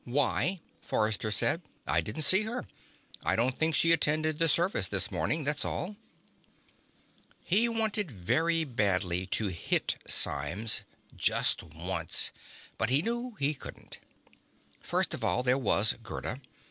"Why?" Forrester said. "I didn't see her. I don't think she attended the service this morning, that's all." He wanted very badly to hit Symes. Just once. But he knew he couldn't. First of all, there was Gerda.